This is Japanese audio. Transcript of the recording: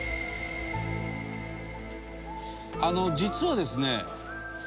あの実はですね